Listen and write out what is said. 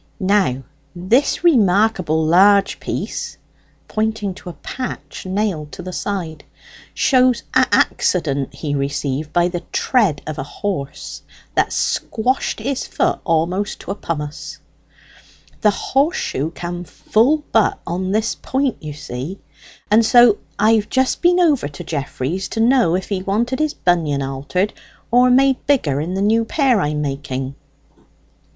Now, this remarkable large piece" (pointing to a patch nailed to the side), "shows a' accident he received by the tread of a horse, that squashed his foot a'most to a pomace. The horseshoe cam full butt on this point, you see. And so I've just been over to Geoffrey's, to know if he wanted his bunion altered or made bigger in the new pair I'm making."